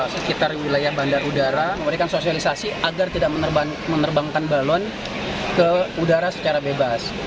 sekitar wilayah bandar udara memberikan sosialisasi agar tidak menerbangkan balon ke udara secara bebas